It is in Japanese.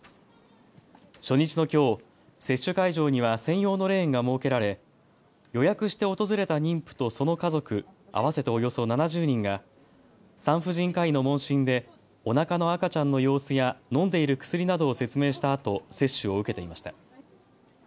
初日のきょう、接種会場には専用のレーンが設けられ予約して訪れた妊婦とその家族合わせておよそ７０人が産婦人科医の問診でおなかの赤ちゃんの様子や飲んでいる薬などを説明したあと接種を受けていました。